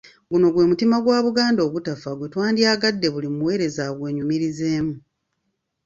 Guno gwe mutima gwa Buganda ogutafa gwe twandyagadde buli muweereza agwenyumirizeemu .